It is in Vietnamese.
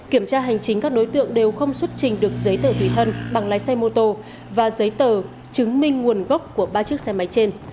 kiểm tra hành chính các đối tượng đều không xuất trình được giấy tờ tùy thân bằng lái xe mô tô và giấy tờ chứng minh nguồn gốc của ba chiếc xe máy trên